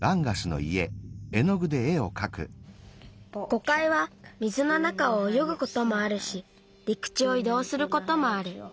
ゴカイは水の中をおよぐこともあるしりくちをいどうすることもある。